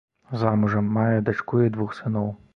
Замужам, мае дачку і двух сыноў.